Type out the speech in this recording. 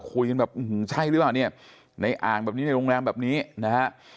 คุยกันแบบอื้อหือใช่หรือเปล่าเนี่ยในอ่างแบบนี้ในโรงแรมแบบนี้นะฮะ